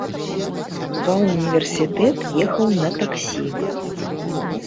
Ва ўніверсітэт ехаў на таксі.